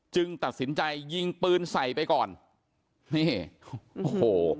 ตัดสินใจยิงปืนใส่ไปก่อนนี่โอ้โห